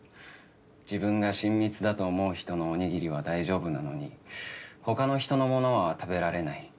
自分が親密だと思う人のおにぎりは大丈夫なのに他の人のものは食べられない。